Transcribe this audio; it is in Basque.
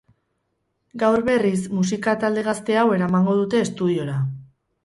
Gaur, berriz, musika talde gazte hau ermango dute estudiora.